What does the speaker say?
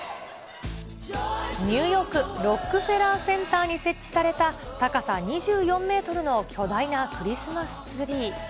ニューヨーク・ロックフェラーセンターに設置された高さ２４メートルの巨大なクリスマスツリー。